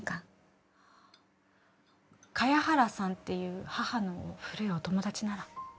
茅原さんっていう母の古いお友達なら。